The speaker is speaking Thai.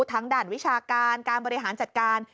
ด่านวิชาการการบริหารจัดการ